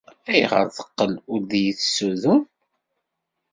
Ayɣer ay teqqel ur iyi-tessudun?